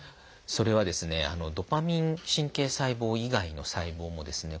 それはですねドパミン神経細胞以外の細胞もですね